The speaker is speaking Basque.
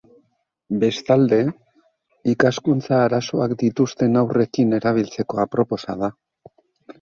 Bestalde, ikaskuntza arazoak dituzten haurrekin erabiltzeko aproposa da.